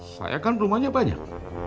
saya kan rumahnya banyak